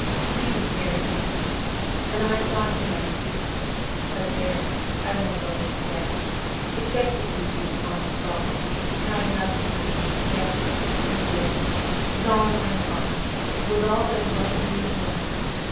He was very handsome and I thought him but there, I won't go into that. It vexes me to recall my folly. But I loved him yes, I did, with all my heart with all there was of me to love.